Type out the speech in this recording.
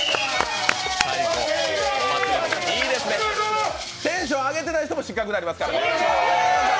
いいですね、テンション上げてない人も失格になりますからね。